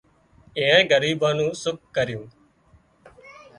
ايئانئي ڳريٻان نُون سُک ڪريون